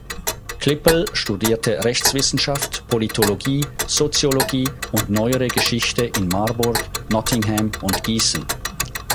Klippel studierte Rechtswissenschaft, Politologie, Soziologie und Neuere Geschichte in Marburg, Nottingham und Gießen.